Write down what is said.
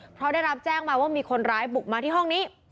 เพราะได้รับแจ้งมาว่ามีคนร้ายบุกมาที่ห้องนี้